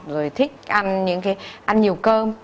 rồi thích ăn nhiều cơm